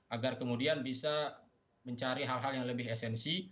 agar kemudian bisa mencari hal hal yang lebih esensi